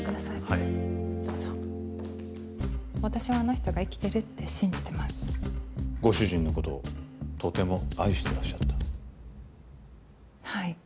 はいどうぞ私はあの人が生きてるって信じてますご主人のことをとても愛してらっしゃったはい